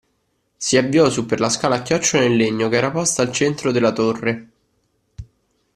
Si avviò su per la scala a chiocciola in legno che era posta al centro della torre.